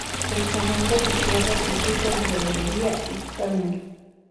El segundo, que cierra el circuito entre Lobería y Cnel.